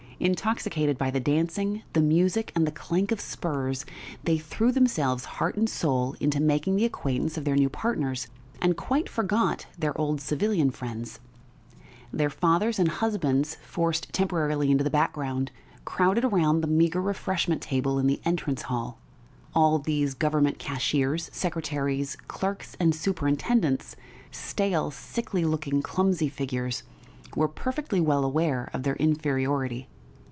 Intoxicated by the dancing, the music, and the clank of spurs, they threw themselves heart and soul into making the acquaintance of their new partners, and quite forgot their old civilian friends. Their fathers and husbands, forced temporarily into the background, crowded round the meagre refreshment table in the entrance hall. All these government cashiers, secretaries, clerks, and superintendents stale, sickly looking, clumsy figures were perfectly well aware of their inferiority.